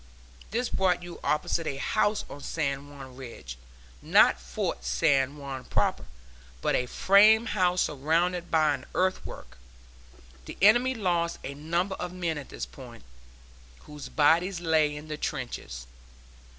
This brought you opposite a house on San Juan Ridge not Fort San Juan proper, but a frame house surrounded by an earthwork. The enemy lost a number of men at this point, whose bodies lay in the trenches.